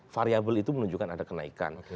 variable itu menunjukkan ada kenaikan